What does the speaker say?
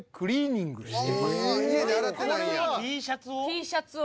Ｔシャツを？